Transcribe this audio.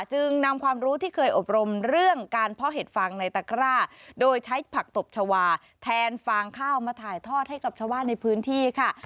จึงนำความรู้ที่เคยอบรมเรื่องการเพาะเห็ดฟางในตะกร้าโดยใช้ผักตบชาวาแทนฟางข้าวมาถ่ายทอดให้กับชาวบ้านในพื้นที่ค่ะ